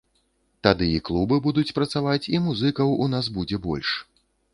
Тады і клубы будуць працаваць, і музыкаў у нас будзе больш.